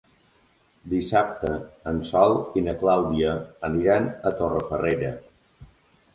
Dissabte en Sol i na Clàudia aniran a Torrefarrera.